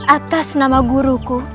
atas nama guruku